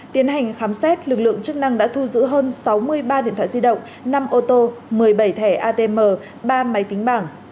tiến hành khám xét lực lượng chức năng đã thu giữ hơn sáu mươi ba điện thoại di động năm ô tô một mươi bảy thẻ atm ba máy tính bảng